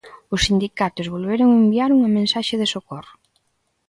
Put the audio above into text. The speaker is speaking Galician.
Os sindicatos volveron enviar unha mensaxe de socorro.